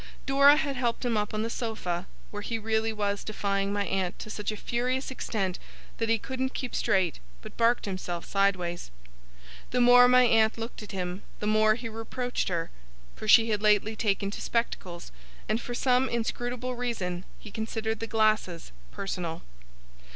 Dora had helped him up on the sofa; where he really was defying my aunt to such a furious extent, that he couldn't keep straight, but barked himself sideways. The more my aunt looked at him, the more he reproached her; for she had lately taken to spectacles, and for some inscrutable reason he considered the glasses personal.